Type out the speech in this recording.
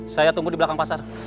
saya tunggu di belakang pasar